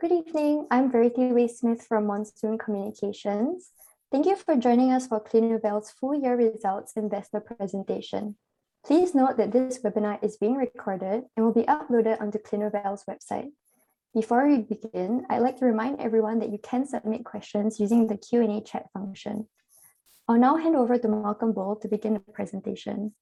Good evening. I'm Verity Wei Smith from Monsoon Communications. Thank you for joining us for Clinuvel's full year results investor presentation. Please note that this webinar is being recorded and will be uploaded onto Clinuvel's website. Before we begin, I'd like to remind everyone that you can submit questions using the Q&A chat function. I'll now hand over to Malcolm Bull to begin the presentation.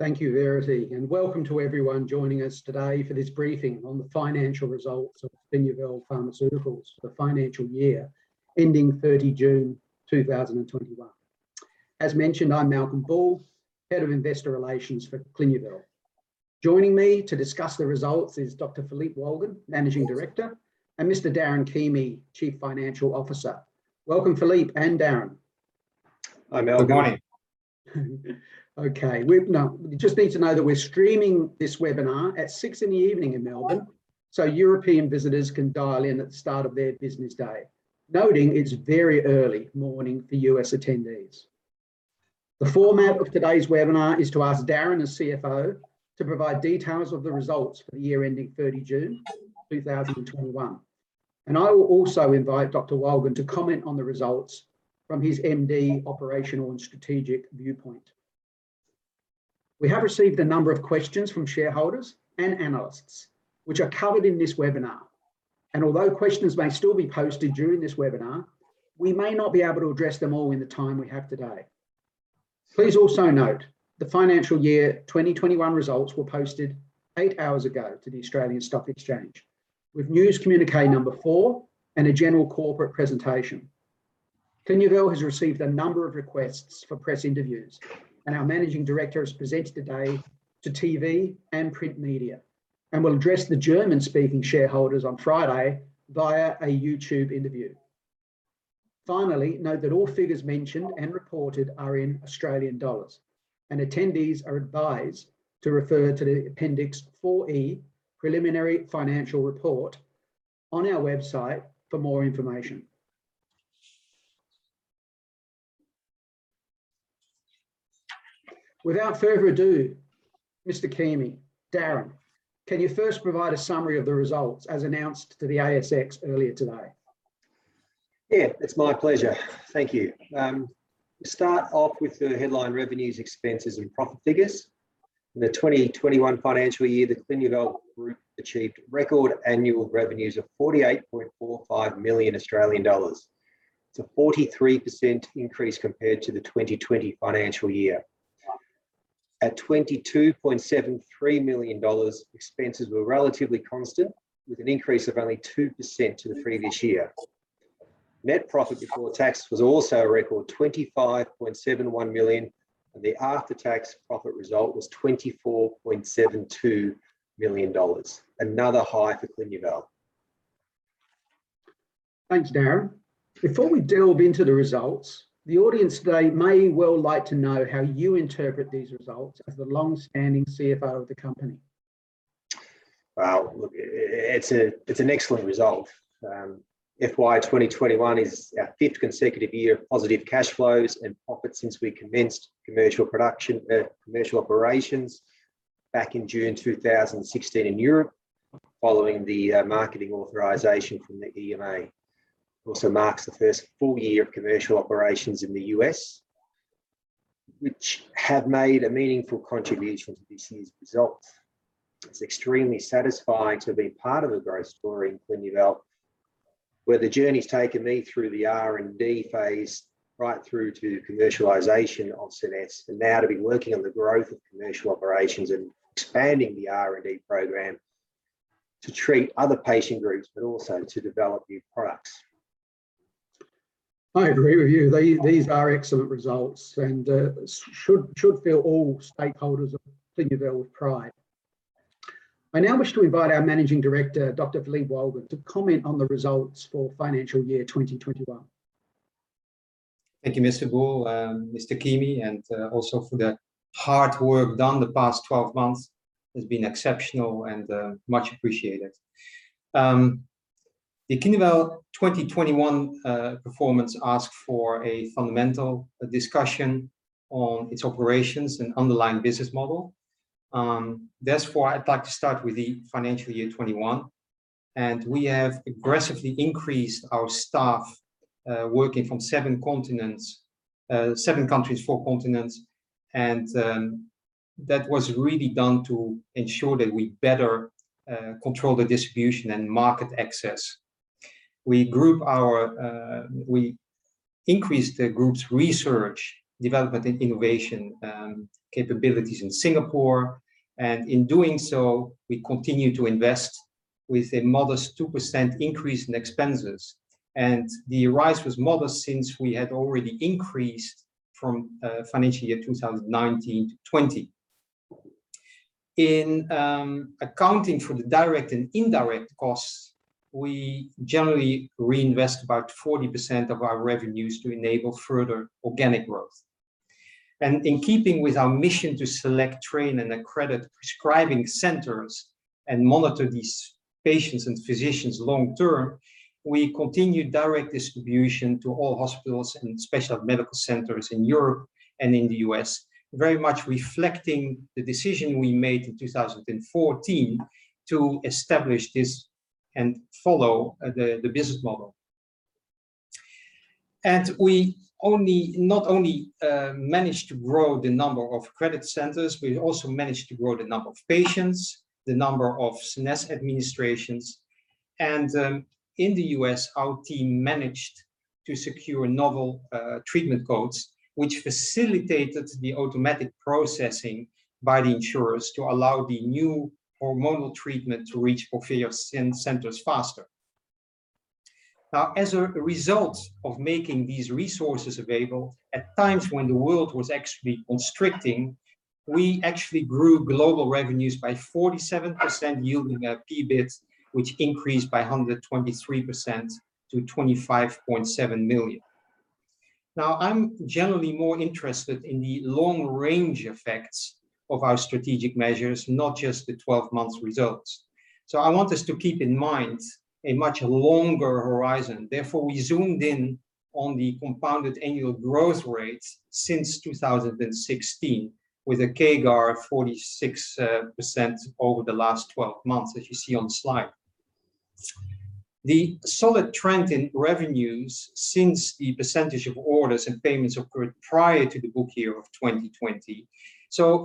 Thank you, Verity. Welcome to everyone joining us today for this briefing on the financial results of Clinuvel Pharmaceuticals for the financial year ending 30 June 2021. As mentioned, I'm Malcolm Bull, head of investor relations for Clinuvel. Joining me to discuss the results is Dr. Philippe Wolgen, Managing Director, and Mr. Darren Keamy, Chief Financial Officer. Welcome, Philippe and Darren. Hi, Malcolm. Good morning. Okay. You just need to know that we're streaming this webinar at 6:00 P.M. in Melbourne, so European visitors can dial in at the start of their business day. Noting it's very early morning for U.S. attendees. The format of today's webinar is to ask Darren Keamy, Chief Financial Officer, to provide details of the results for the year ending 30 June 2021, and I will also invite Dr. Wolgen to comment on the results from his MD operational and strategic viewpoint. We have received a number of questions from shareholders and analysts, which are covered in this webinar, and although questions may still be posted during this webinar, we may not be able to address them all in the time we have today. Please also note the financial year 2021 results were posted eight hours ago to the Australian Stock Exchange with news communique number 4 and a general corporate presentation. Clinuvel has received a number of requests for press interviews, and our Managing Director has presented today to TV and print media, and will address the German-speaking shareholders on Friday via a YouTube interview. Finally, note that all figures mentioned and reported are in Australian dollars. Attendees are advised to refer to the Appendix 4E preliminary financial report on our website for more information. Without further ado, Mr. Keamy, Darren, can you first provide a summary of the results as announced to the ASX earlier today? Yeah. It's my pleasure. Thank you. To start off with the headline revenues, expenses, and profit figures. In the 2021 financial year, the Clinuvel group achieved record annual revenues of 48.45 million Australian dollars. It's a 43% increase compared to the 2020 financial year. At 22.73 million dollars, expenses were relatively constant, with an increase of only 2% to the previous year. Net profit before tax was also a record 25.71 million. The after-tax profit result was 24.72 million dollars. Another high for Clinuvel. Thanks, Darren. Before we delve into the results, the audience today may well like to know how you interpret these results as the longstanding CFO of the company. Look, it's an excellent result. FY 2021 is our fifth consecutive year of positive cash flows and profits since we commenced commercial operations back in June 2016 in Europe, following the marketing authorization from the EMA. It also marks the first full year of commercial operations in the U.S., which have made a meaningful contribution to this year's results. It's extremely satisfying to be part of the growth story in Clinuvel, where the journey's taken me through the R&D phase, right through to commercialization of SCENESSE, and now to be working on the growth of commercial operations and expanding the R&D program to treat other patient groups, but also to develop new products. I agree with you. These are excellent results and should fill all stakeholders of Clinuvel with pride. I now wish to invite our Managing Director, Dr. Philippe Wolgen, to comment on the results for financial year 2021. Thank you, Mr. Bull, Mr. Keamy, and also for the hard work done the past 12 months. It has been exceptional and much appreciated. The Clinuvel 2021 performance asks for a fundamental discussion on its operations and underlying business model. That's why I'd like to start with the financial year 2021. We have aggressively increased our staff, working from seven countries, four continents, and that was really done to ensure that we better control the distribution and market access. We increased the group's research, development, and innovation capabilities in Singapore. In doing so, we continued to invest with a modest 2% increase in expenses. The rise was modest since we had already increased from financial year 2019 to 2020. In accounting for the direct and indirect costs, we generally reinvest about 40% of our revenues to enable further organic growth. In keeping with our mission to select, train, and accredit prescribing centers and monitor these patients and physicians long- term. We continue direct distribution to all hospitals and special medical centers in Europe and in the U.S., very much reflecting the decision we made in 2014 to establish this and follow the business model. We not only managed to grow the number of credit centers, we also managed to grow the number of patients, the number of SCENESSE administrations. In the U.S., our team managed to secure novel treatment codes, which facilitated the automatic processing by the insurers to allow the new hormonal treatment to reach Porphyria centers faster. As a result of making these resources available at times when the world was actually constricting, we actually grew global revenues by 47%, yielding our EBIT, which increased by 123% to 25.7 million. I'm generally more interested in the long range effects of our strategic measures, not just the 12 months results. I want us to keep in mind a much longer horizon. We zoomed in on the compounded annual growth rates since 2016, with a CAGR of 46% over the last 12 months, as you see on slide. The solid trend in revenues since the percentage of orders and payments occurred prior to the book year of 2020.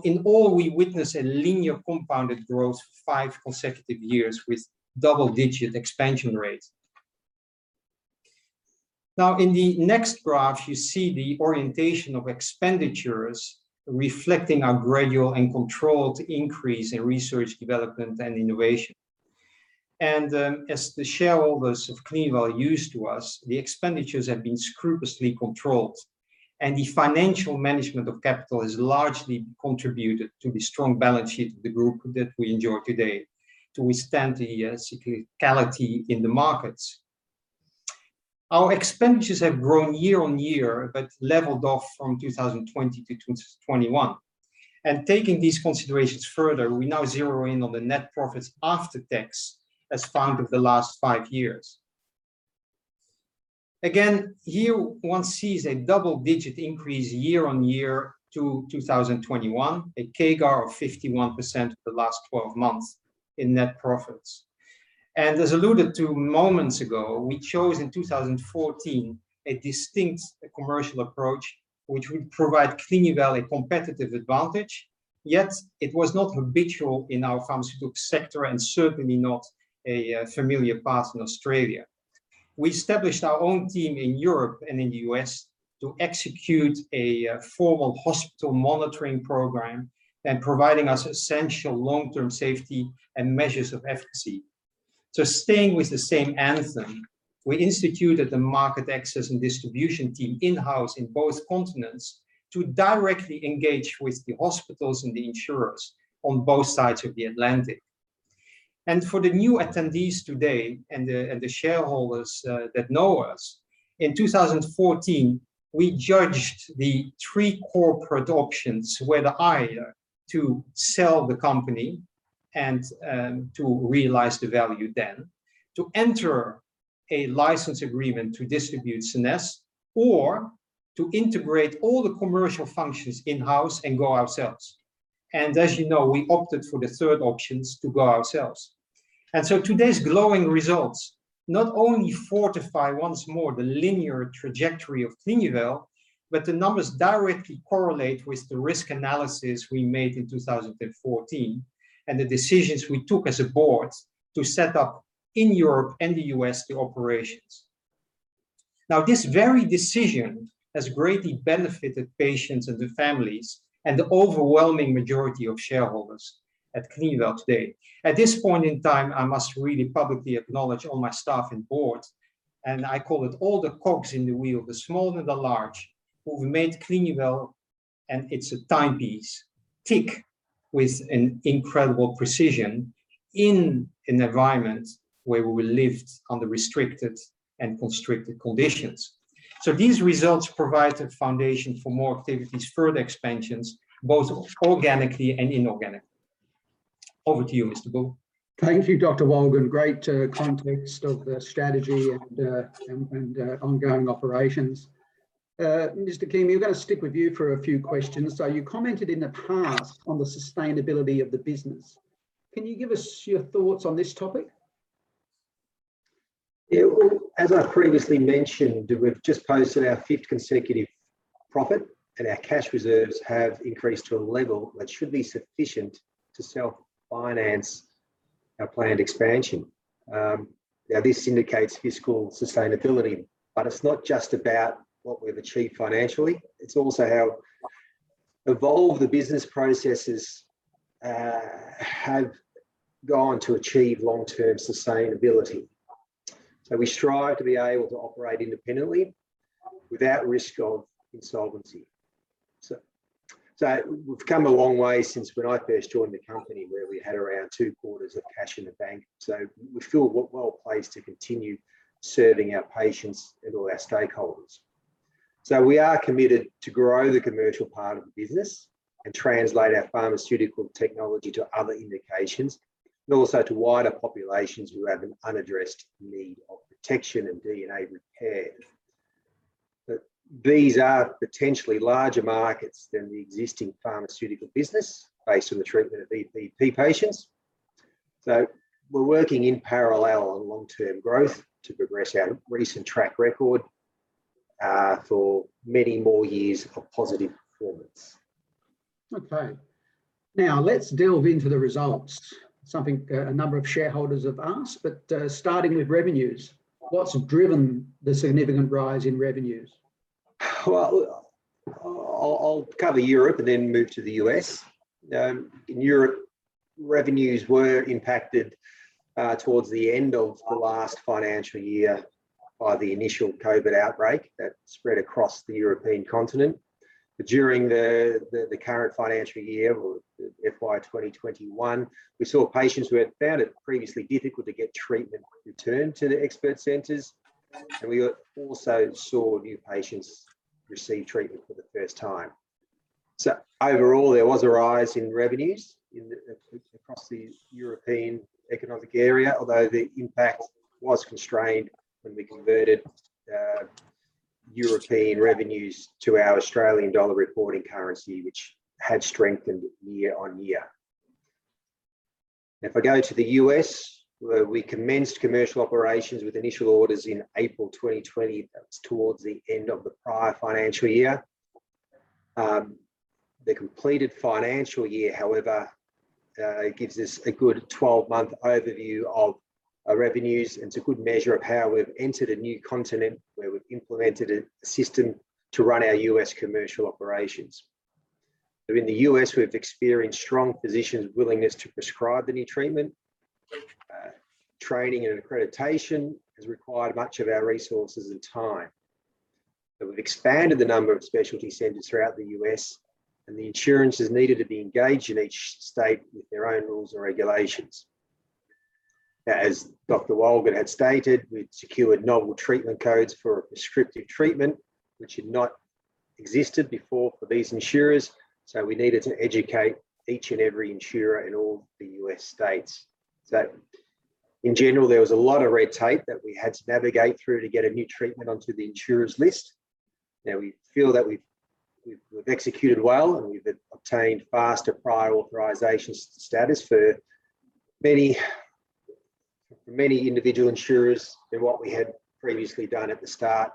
In all, we witness a linear compounded growth five consecutive years with double-digit expansion rates. In the next graph, you see the orientation of expenditures reflecting our gradual and controlled increase in research, development, and innovation. As the shareholders of Clinuvel are used to us, the expenditures have been scrupulously controlled, and the financial management of capital has largely contributed to the strong balance sheet of the group that we enjoy today to withstand the cyclicality in the markets. Our expenditures have grown year-on-year, but leveled off from 2020 to 2021. Taking these considerations further, we now zero in on the net profits after tax as found of the last five years. Again, here one sees a double-digit increase year-on-year to 2021, a CAGR of 51% for the last 12 months in net profits. As alluded to moments ago, we chose in 2014, a distinct commercial approach, which would provide Clinuvel a competitive advantage. Yet it was not habitual in our pharmaceutical sector and certainly not a familiar path in Australia. We established our own team in Europe and in the U.S. to execute a formal hospital monitoring program and providing us essential long-term safety and measures of efficacy. Staying with the same anthem, we instituted the market access and distribution team in-house in both continents to directly engage with the hospitals and the insurers on both sides of the Atlantic. For the new attendees today and the shareholders that know us, in 2014, we judged the 3 core production, were the idea to sell the company and to realize the value then, to enter a license agreement to distribute SCENESSE, or to integrate all the commercial functions in-house and go ourselves. As you know, we opted for the third options to go ourselves. Today's glowing results not only fortify once more the linear trajectory of Clinuvel, but the numbers directly correlate with the risk analysis we made in 2014 and the decisions we took as a board to set up in Europe and the U.S., the operations. This very decision has greatly benefited patients and the families and the overwhelming majority of shareholders at Clinuvel today. At this point in time, I must really publicly acknowledge all my staff and board, and I call it all the cogs in the wheel, the small and the large, who have made Clinuvel, and it's a timepiece. Tick with an incredible precision in an environment where we lived under restricted and constricted conditions. These results provide a foundation for more activities, further expansions, both organically and inorganically. Over to you, Mr. Bull. Thank you, Dr. Wolgen. Great context of the strategy and ongoing operations. Mr. Keamy, we're going to stick with you for a few questions. You commented in the past on the sustainability of the business. Can you give us your thoughts on this topic? Well, as I previously mentioned, we've just posted our 5th consecutive profit, and our cash reserves have increased to a level that should be sufficient to self-finance our planned expansion. Now, this indicates fiscal sustainability, but it's not just about what we've achieved financially. It's also how evolved the business processes have gone to achieve long-term sustainability. We strive to be able to operate independently without risk of insolvency. We've come a long way since when I first joined the company where we had around two quarters of cash in the bank. We feel well placed to continue serving our patients and all our stakeholders. We are committed to grow the commercial part of the business and translate our pharmaceutical technology to other indications, and also to wider populations who have an unaddressed need of protection and DNA repair. These are potentially larger markets than the existing pharmaceutical business based on the treatment of EPP patients. We're working in parallel on long-term growth to progress our recent track record for many more years of positive performance. Okay. Now, let's delve into the results. Something a number of shareholders have asked, but starting with revenues, what's driven the significant rise in revenues? Well, I'll cover Europe and then move to the U.S. In Europe, revenues were impacted towards the end of the last financial year by the initial COVID outbreak that spread across the European continent. During the current financial year, or FY 2021, we saw patients who had found it previously difficult to get treatment return to the expert centers, and we also saw new patients receive treatment for the first time. Overall, there was a rise in revenues across the European economic area, although the impact was constrained when we converted European revenues to our Australian dollar reporting currency, which had strengthened year- on- year. Now, if I go to the U.S., where we commenced commercial operations with initial orders in April 2020, that was towards the end of the prior financial year. The completed financial year, however, gives us a good 12-month overview of our revenues, and it's a good measure of how we've entered a new continent where we've implemented a system to run our U.S. commercial operations. In the U.S., we've experienced strong physicians' willingness to prescribe the new treatment. Training and accreditation has required much of our resources and time. We've expanded the number of specialty centers throughout the U.S., and the insurances needed to be engaged in each state with their own rules and regulations. As Dr. Wolgen had stated, we'd secured novel treatment codes for a prescriptive treatment, which had not existed before for these insurers, so we needed to educate each and every insurer in all the U.S. states. In general, there was a lot of red tape that we had to navigate through to get a new treatment onto the insurer's list. Now, we feel that we've executed well, and we've obtained faster prior authorization status for many individual insurers than what we had previously done at the start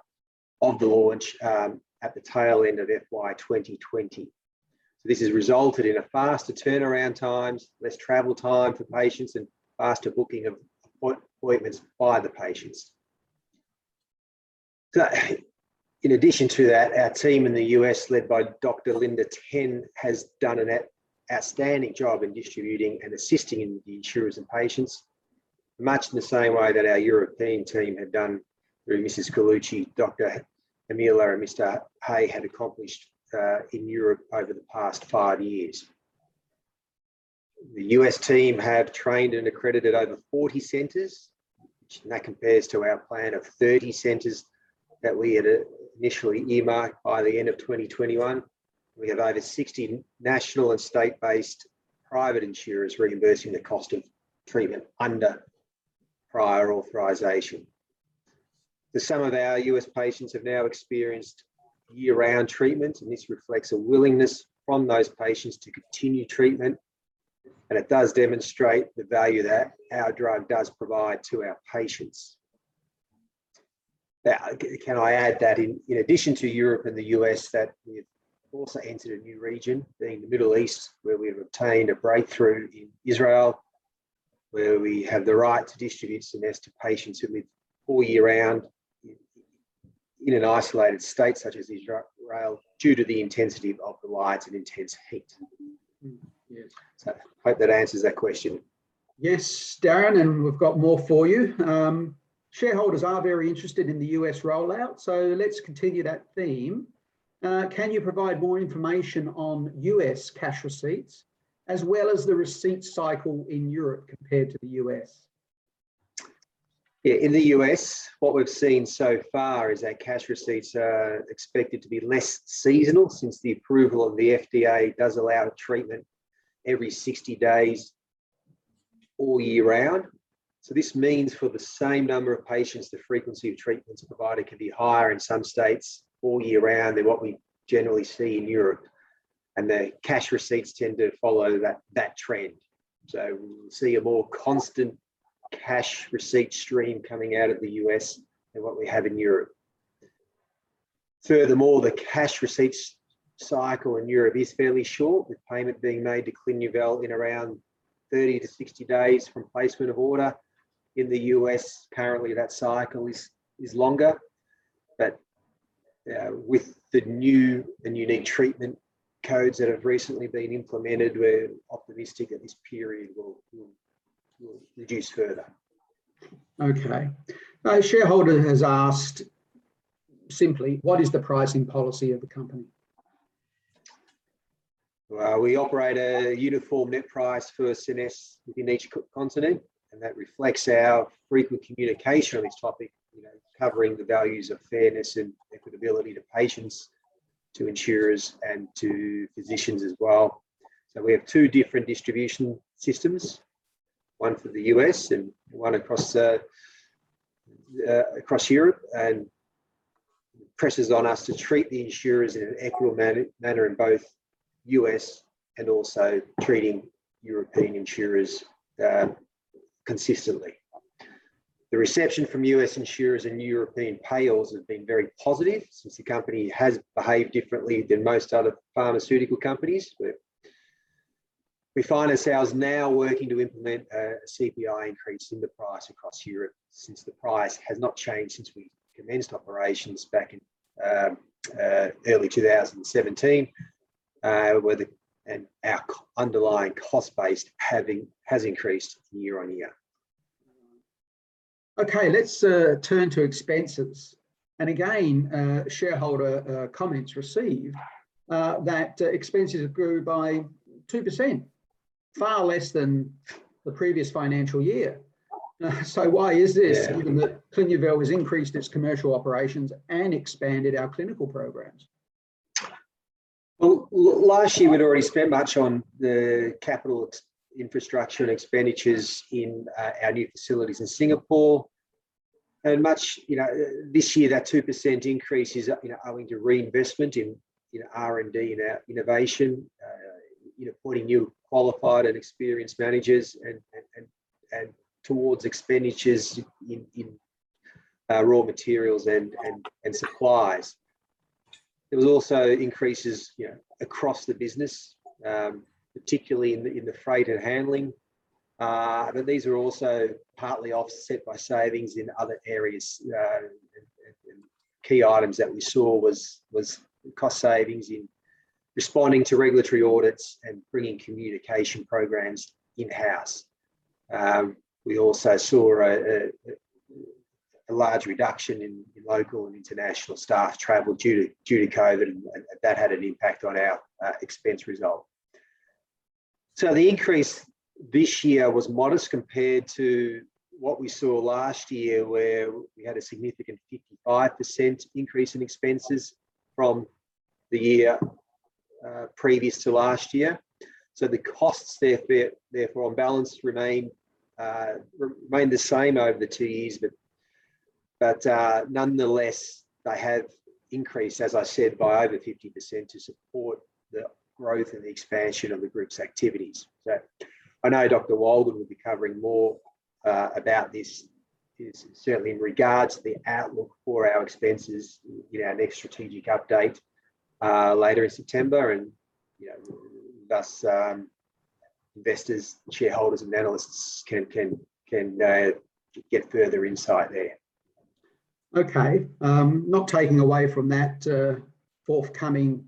of the launch, at the tail end of FY 2020. This has resulted in a faster turnaround times, less travel time for patients, and faster booking of appointments by the patients. In addition to that, our team in the U.S., led by Dr. Linda Teng, has done an outstanding job in distributing and assisting the insurers and patients, much in the same way that our European team have done through Mrs. Gallucci, Dr. Azza Hamila, and Mr. Lachlan Hay had accomplished in Europe over the past five years. The U.S. team have trained and accredited over 40 centers, which that compares to our plan of 30 centers that we had initially earmarked by the end of 2021. We have over 60 national and state-based private insurers reimbursing the cost of treatment under prior authorization. The sum of our U.S. patients have now experienced year-round treatment. This reflects a willingness from those patients to continue treatment. It does demonstrate the value that our drug does provide to our patients. Can I add that in addition to Europe and the U.S., that we've also entered a new region, being the Middle East, where we've obtained a breakthrough in Israel, where we have the right to distribute SCENESSE to patients who live all year round in an isolated state such as Israel due to the intensity of the lights and intense heat. Yes. I hope that answers that question. Yes, Darren, and we've got more for you. Shareholders are very interested in the U.S. rollout, so let's continue that theme. Can you provide more information on U.S. cash receipts as well as the receipt cycle in Europe compared to the U.S.? Yeah. In the U.S., what we've seen so far is our cash receipts are expected to be less seasonal since the approval of the FDA does allow treatment every 60 days, all year round. This means for the same number of patients, the frequency of treatments provided could be higher in some states all year round than what we generally see in Europe, and the cash receipts tend to follow that trend. We'll see a more constant cash receipt stream coming out of the U.S. than what we have in Europe. The cash receipts cycle in Europe is fairly short, with payment being made to Clinuvel in around 30-60 days from placement of order. In the U.S., apparently that cycle is longer. With the new unique treatment codes that have recently been implemented, we're optimistic that this period will reduce further. Okay. A shareholder has asked simply, what is the pricing policy of the company? Well, we operate a uniform net price for SCENESSE within each continent, and that reflects our frequent communication on this topic, covering the values of fairness and equitability to patients, to insurers, and to physicians as well. We have two different distribution systems, one for the U.S. and one across Europe, and the pressure's on us to treat the insurers in an equitable manner in both U.S., and also treating European insurers consistently. The reception from U.S. insurers and European payers has been very positive since the company has behaved differently than most other pharmaceutical companies. We find ourselves now working to implement a CPI increase in the price across Europe, since the price has not changed since we commenced operations back in early 2017, and our underlying cost base has increased year-on-year. Okay, let's turn to expenses. Again, shareholder comments received that expenses have grown by 2%, far less than the previous financial year. Why is this? Yeah given that Clinuvel has increased its commercial operations and expanded our clinical programs? Last year we'd already spent much on the capital infrastructure and expenditures in our new facilities in Singapore. This year, that 2% increase is owing to reinvestment in R&D, in our innovation, appointing new qualified and experienced managers, and towards expenditures in raw materials and supplies. There was also increases across the business, particularly in the freight and handling. These were also partly offset by savings in other areas. Key items that we saw was cost savings in responding to regulatory audits and bringing communication programs in-house. We also saw a large reduction in local and international staff travel due to COVID, and that had an impact on our expense result. The increase this year was modest compared to what we saw last year, where we had a significant 55% increase in expenses from the year previous to last year. The costs therefore on balance remained the same over the two years, but nonetheless, they have increased, as I said, by over 50% to support the growth and the expansion of the group's activities. I know Dr. Wolgen will be covering more about this, certainly in regards to the outlook for our expenses in our next strategic update later in September. Thus, investors, shareholders, and analysts can get further insight there. Okay. Not taking away from that forthcoming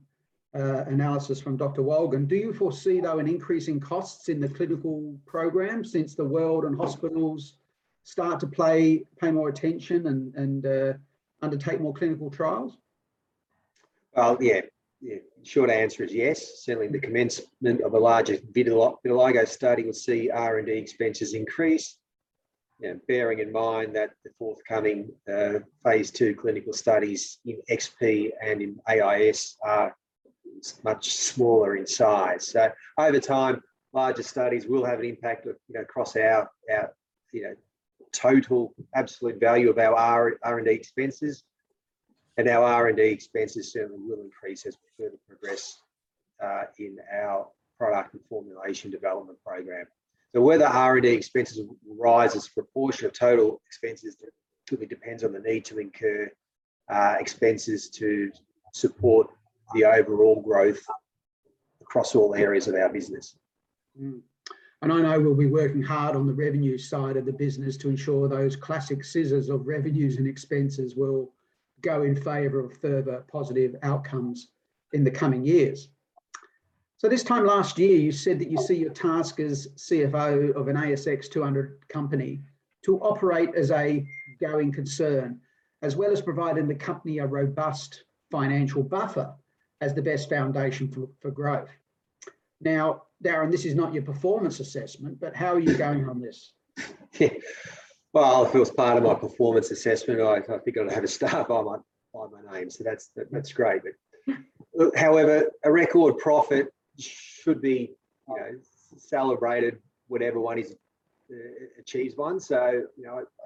analysis from Dr. Wolgen, do you foresee, though, an increase in costs in the clinical program since the world and hospitals start to pay more attention and undertake more clinical trials? Well, yeah. The short answer is yes. Certainly, the commencement of a larger vitiligo study will see R&D expenses increase. Bearing in mind that the forthcoming phase II clinical studies in XP and in AIS are much smaller in size. Over time, larger studies will have an impact across our total absolute value of our R&D expenses. Our R&D expenses certainly will increase as we further progress in our product and formulation development program. Whether R&D expenses will rise as a proportion of total expenses completely depends on the need to incur expenses to support the overall growth across all areas of our business. I know we'll be working hard on the revenue side of the business to ensure those classic scissors of revenues and expenses will go in favor of further positive outcomes in the coming years. This time last year, you said that you see your task as CFO of an ASX 200 company to operate as a going concern, as well as providing the company a robust financial buffer as the best foundation for growth. Darren, this is not your performance assessment, but how are you going on this? Well, if it was part of my performance assessment, I think I'd have a star by my name, so that's great. However, a record profit should be celebrated when everyone has achieved one. I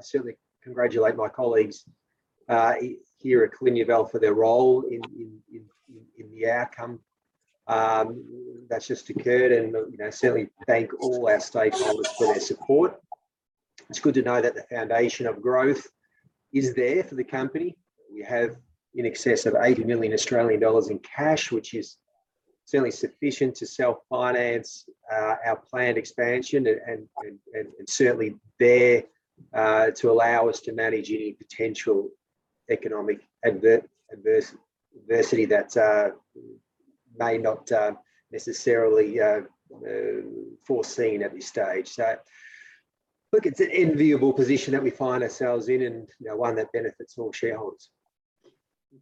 certainly congratulate my colleagues here at Clinuvel for their role in the outcome that's just occurred, and certainly thank all our stakeholders for their support. It's good to know that the foundation of growth is there for the company. We have in excess of 80 million Australian dollars in cash, which is certainly sufficient to self-finance our planned expansion, and certainly there to allow us to manage any potential economic adversity that may not necessarily foreseen at this stage. It's an enviable position that we find ourselves in, and one that benefits all shareholders.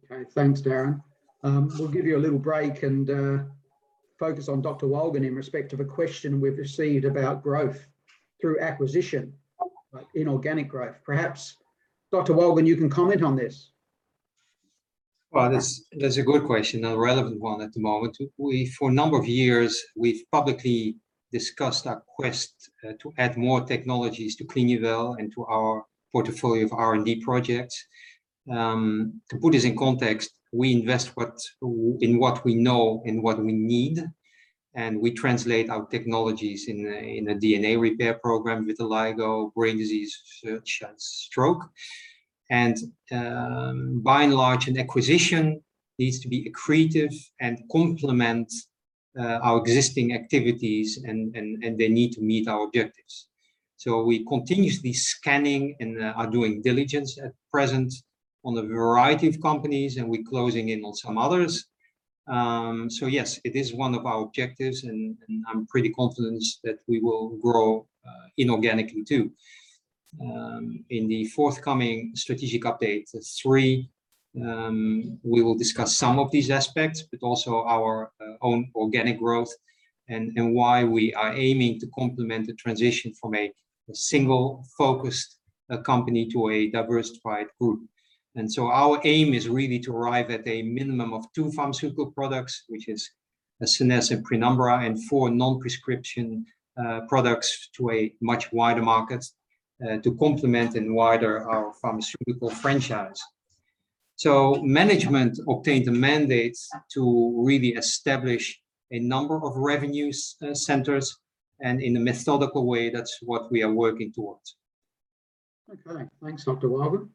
Okay. Thanks, Darren. We'll give you a little break and focus on Dr. Wolgen in respect of a question we've received about growth through acquisition, like inorganic growth. Perhaps, Dr. Wolgen, you can comment on this. Well, that's a good question, and a relevant one at the moment. For a number of years, we've publicly discussed our quest to add more technologies to Clinuvel and to our portfolio of R&D projects. To put this in context, we invest in what we know and what we need, we translate our technologies in a DNA repair program with Oligonucleotide, brain disease search, and stroke. By and large, an acquisition needs to be accretive and complement our existing activities, and they need to meet our objectives. We're continuously scanning and are doing diligence at present on a variety of companies, and we're closing in on some others. Yes, it is one of our objectives, and I'm pretty confident that we will grow inorganically, too. In the forthcoming strategic update 3, we will discuss some of these aspects, but also our own organic growth and why we are aiming to complement the transition from a single-focused company to a diversified group. Our aim is really to arrive at a minimum of 2 pharmaceutical products, which is asenapine and PRÉNUMBRA, and 4 non-prescription products to a much wider market to complement and widen our pharmaceutical franchise. Management obtained the mandates to really establish a number of revenue centers, and in a methodical way, that's what we are working towards. Okay. Thanks, Dr. Wolgen.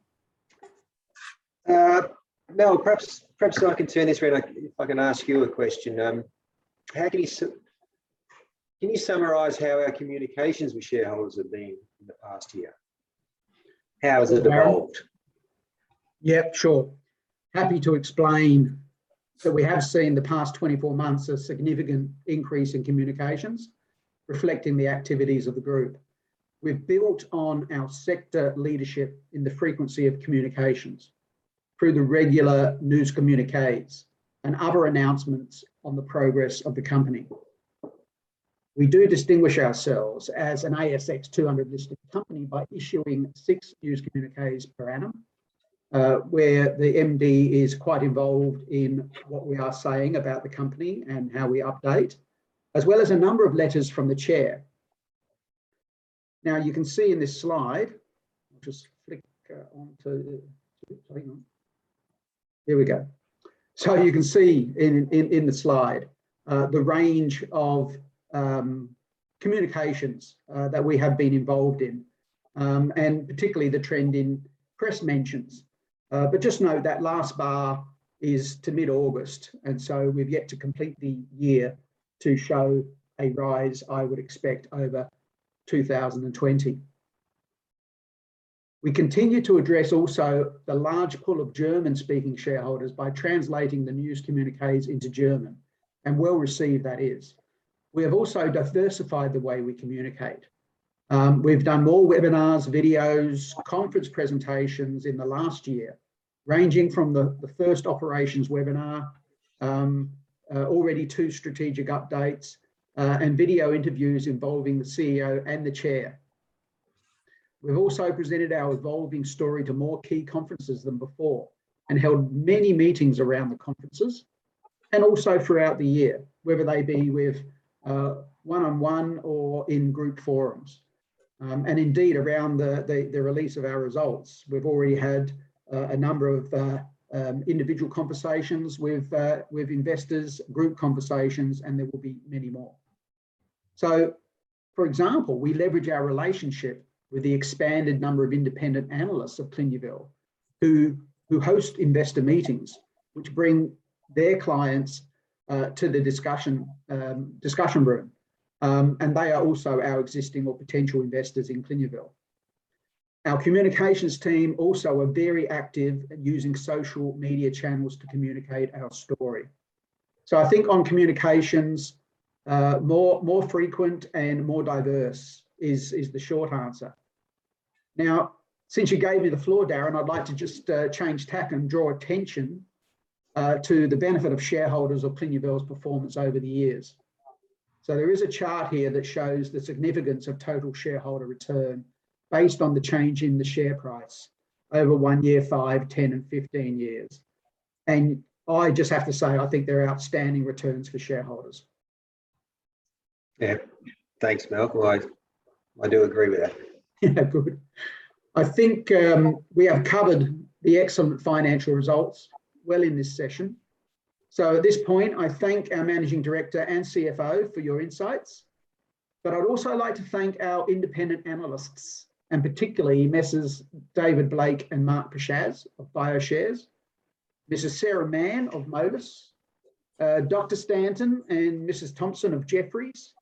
Perhaps I can turn this around if I can ask you a question. Can you summarize how our communications with shareholders have been in the past year? How has it evolved? Yeah, sure. Happy to explain. We have seen the past 24 months a significant increase in communications reflecting the activities of the group. We've built on our sector leadership in the frequency of communications through the regular news communiques and other announcements on the progress of the company. We do distinguish ourselves as an ASX 200 listed company by issuing 6 news communiques per annum, where the MD is quite involved in what we are saying about the company and how we update, as well as a number of letters from the chair. You can see in this slide, I'll just flick onto the Hang on. Here we go. You can see in the slide the range of communications that we have been involved in, and particularly the trend in press mentions. Just know that last bar is to mid-August, and so we've yet to complete the year to show a rise I would expect over 2020. We continue to address also the large pool of German-speaking shareholders by translating the news communiques into German, and well-received that is. We have also diversified the way we communicate. We've done more webinars, videos, conference presentations in the last year, ranging from the first operations webinar, already two strategic updates, and video interviews involving the CEO and the Chair. We've also presented our evolving story to more key conferences than before, and held many meetings around the conferences, and also throughout the year, whether they be with one-on-one or in group forums. Indeed, around the release of our results, we've already had a number of individual conversations with investors, group conversations, and there will be many more. For example, we leverage our relationship with the expanded number of independent analysts of Clinuvel who host investor meetings, which bring their clients to the discussion room. They are also our existing or potential investors in Clinuvel. Our communications team also are very active at using social media channels to communicate our story. I think on communications, more frequent and more diverse is the short answer. Now, since you gave me the floor, Darren, I'd like to just change tack and draw attention to the benefit of shareholders of Clinuvel's performance over the years. There is a chart here that shows the significance of total shareholder return based on the change in the share price over one year, five, 10, and 15 years. I just have to say, I think they're outstanding returns for shareholders. Yeah. Thanks, Malcolm. I do agree with that. Good. I think we have covered the excellent financial results well in this session. At this point, I thank our managing director and CFO for your insights. I'd also like to thank our independent analysts, and particularly Messrs David Blake and Mark Pachacz of Bioshares, Sarah Mann of Moelis, Stanton and Vanessa Thomson of Jefferies,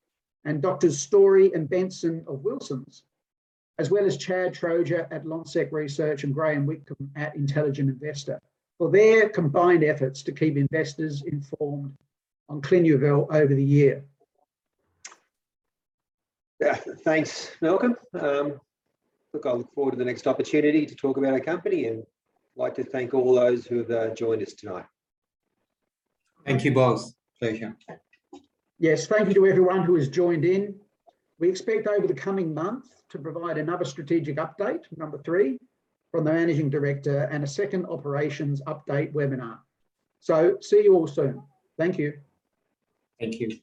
Shane Storey and Melissa Benson of Wilsons, as well as Chad Trojer at Lonsec Research and Graham Witcomb at Intelligent Investor, for their combined efforts to keep investors informed on Clinuvel over the year. Yeah. Thanks, Malcolm. Look, I look forward to the next opportunity to talk about our company, and like to thank all those who have joined us tonight. Thank you, boss. Pleasure. Yes. Thank you to everyone who has joined in. We expect over the coming month to provide another strategic update, number 3, from the Managing Director, and a second operations update webinar. See you all soon. Thank you. Thank you.